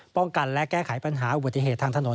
ป้องกันและแก้ไขปัญหาอุบัติเหตุทางถนน